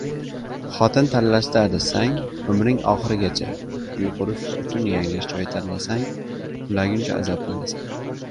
• Xotin tanlashda adashsang — umring oxirigacha, uy qurish uchun yanglish joy tanlasang qulaguncha azoblanasan.